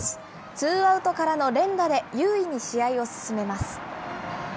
ツーアウトからの連打で優位に試合を進めます。